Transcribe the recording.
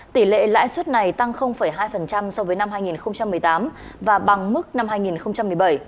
tỷ lệ lãi suất này tăng hai so với năm hai nghìn một mươi tám và bằng mức năm hai nghìn một mươi bảy